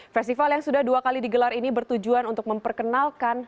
festival yang sudah dua kali digelar ini bertujuan untuk memperkenalkan